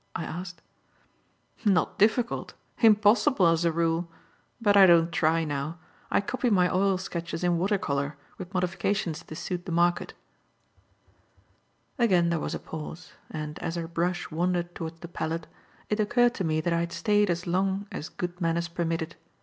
I asked. "Not difficult. Impossible, as a rule. But I don't try now. I copy my oil sketches in water colour, with modifications to suit the market." Again there was a pause; and, as her brush wandered towards the palette, it occurred to me that I had stayed as long as good manners permitted.